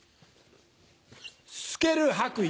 透ける白衣。